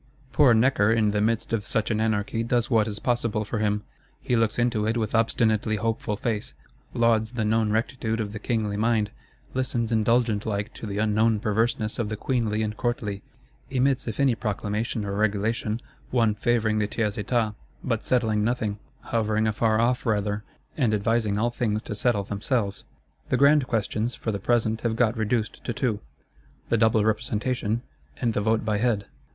Poor Necker in the midst of such an anarchy does what is possible for him. He looks into it with obstinately hopeful face; lauds the known rectitude of the kingly mind; listens indulgent like to the known perverseness of the queenly and courtly;—emits if any proclamation or regulation, one favouring the Tiers Etat; but settling nothing; hovering afar off rather, and advising all things to settle themselves. The grand questions, for the present, have got reduced to two: the Double Representation, and the Vote by Head.